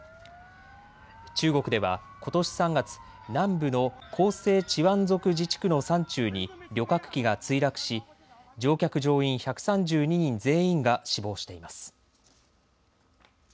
中国ではことし３月、南部の広西チワン族自治区の山中に旅客機が墜落し乗客乗員１３２人全員が死亡しています。